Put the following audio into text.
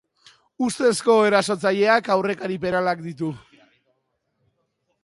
Ustezko erasotzaileak aurrekari penalak ditu.